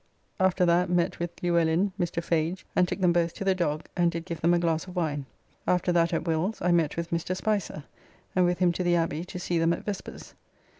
After that met with Luellin, Mr. Fage, and took them both to the Dog, and did give them a glass of wine. After that at Will's I met with Mr. Spicer, and with him to the Abbey to see them at vespers.